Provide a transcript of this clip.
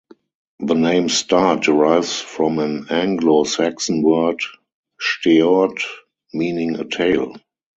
The name "Start" derives from an Anglo-Saxon word "steort", meaning a tail.